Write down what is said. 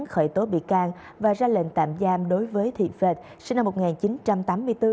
khởi tố bị can và ra lệnh tạm giam đối với thị phật sinh năm một nghìn chín trăm tám mươi bốn